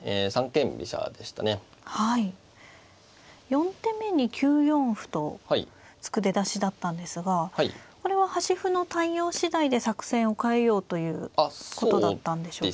４手目に９四歩と突く出だしだったんですがこれは端歩の対応次第で作戦を変えようということだったんでしょうか。